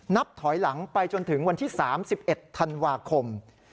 นับถอยหลังไปจนถึงวันที่๓๑ธันวาคม